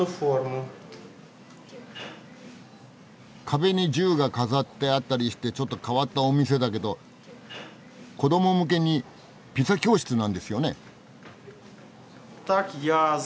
壁に銃が飾ってあったりしてちょっと変わったお店だけど子ども向けにピザ教室なんですよね？